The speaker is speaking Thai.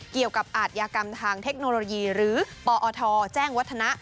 อาทยากรรมทางเทคโนโลยีหรือปอทแจ้งวัฒนะ